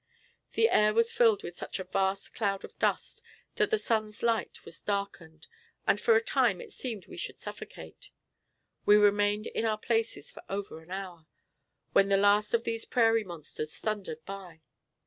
The air was filled with such a vast cloud of dust that the sun's light was darkened, and for a time it seemed we should suffocate. We remained in our places for over an hour, when the last of these prairie monsters thundered by.